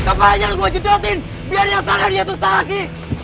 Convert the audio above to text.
kepahanya lo gua cedotin biar yang salah dia tuh setah lagi